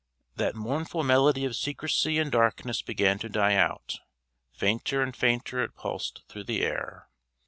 That mournful melody of secrecy and darkness began to die out. Fainter and fainter it pulsed through the air.